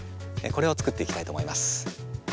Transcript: これを作っていきたいと思います。